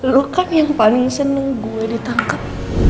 lo kan yang paling seneng gue ditangkep